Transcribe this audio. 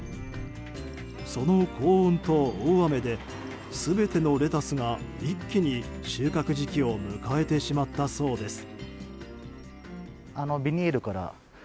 その高温と大雨で全てのレタスが一気に収穫時期を迎えてしまったそうです。